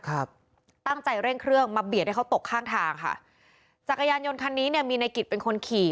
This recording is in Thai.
ครับตั้งใจเร่งเครื่องมาเบียดให้เขาตกข้างทางค่ะจักรยานยนต์คันนี้เนี่ยมีในกิจเป็นคนขี่